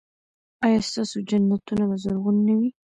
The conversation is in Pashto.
ایا ستاسو جنتونه به زرغون نه وي؟